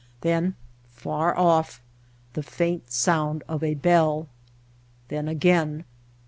Then, far off, the faint sound of a bell. Then again.